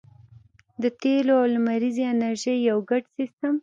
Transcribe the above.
د تیلو او لمریزې انرژۍ یو ګډ سیستم